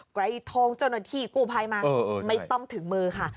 ไรทองเจ้าหน้าที่กู้ภัยมาไม่ต้องถึงมือค่ะ